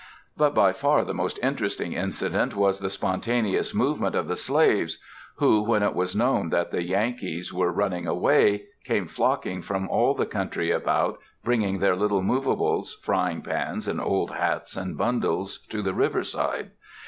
But by far the most interesting incident was the spontaneous movement of the slaves, who, when it was known that the Yankees were running away, came flocking from all the country about, bringing their little movables, frying pans and old hats and bundles, to the river side.